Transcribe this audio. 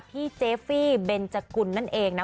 พี่เจฟี่เบนจกุลนั่นเองนะ